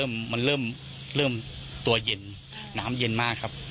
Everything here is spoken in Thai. เริ่มมันเริ่มตัวเย็นน้ำเย็นมากครับ